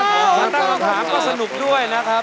มาตั้งคำถามก็สนุกด้วยนะครับ